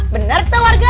bener tuh warga